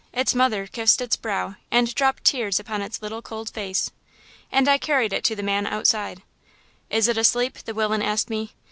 Its mother kissed its brow and dropped tears upon its little cold face. And I carried it to the man outside. "'Is it asleep?' the willain asked me.